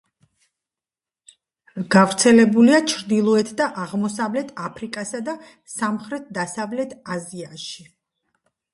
გავრცელებულია ჩრდილოეთ და აღმოსავლეთ აფრიკასა და სამხრეთ-დასავლეთ აზიაში.